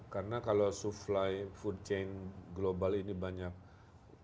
karena kalau supply food chain global ini banyak ter distract ya